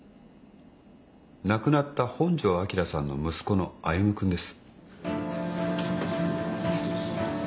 亡くなった本庄昭さんの息子の歩君です。